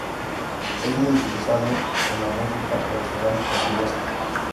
Es muy utilizado en la música tradicional portuguesa.